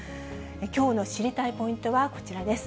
きょうの知りたいポイントはこちらです。